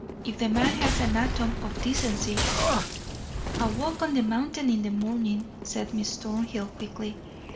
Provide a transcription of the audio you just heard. If the man has an atom of decency " "A walk on the mountain in the morning," said Miss Thornhill quickly.